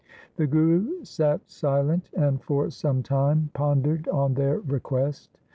The Guru sat silent, and for some time pondered on their request.